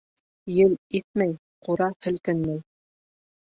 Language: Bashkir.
Ел иҫмәй, ҡура һелкенмәй